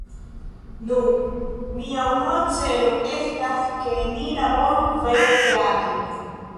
Nu, mia unua celo estas ke ni laboru vere teame.